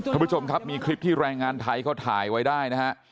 ท่านผู้ชมครับมีคลิปที่แรงงานไทยเขาถ่ายไว้ได้นะฮะ